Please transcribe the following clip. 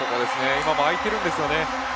今も、空いているんですね。